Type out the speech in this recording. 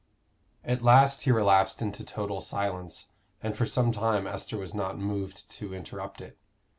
At last he relapsed into total silence, and for some time Esther was not moved to interrupt it.